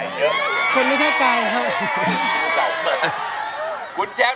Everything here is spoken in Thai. สวัสดีครับ